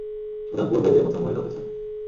উদামপুর বেজে প্রথম মহিলা অফিসার।